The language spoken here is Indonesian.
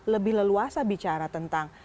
lebih leluasa bicara tentang